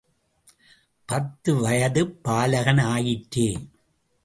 பத்துவயது பாலகன் ஆயிற்றே!